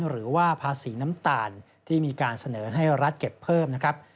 หรือว่าภาษีน้ำตาลที่มีการเสนอให้รัฐเก็บเพิ่มนะครับ